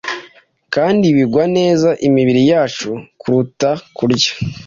kandi bigwa neza imibiri yacu kuruta kurya